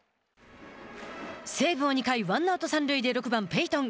西武は２回、ワンアウト、三塁で６番ペイトン。